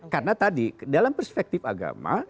karena tadi dalam perspektif agama